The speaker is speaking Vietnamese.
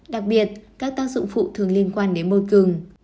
đặc biệt các tác dụng phụ thường liên quan đến bột gừng